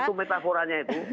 itu metaforanya itu